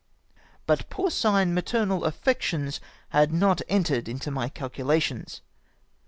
But porcine maternal affection had not entered into my calculations.